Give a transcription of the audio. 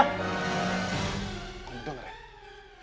kamu dong reno